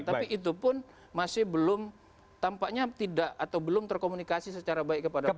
tapi itu pun masih belum tampaknya tidak atau belum terkomunikasi secara baik kepada publik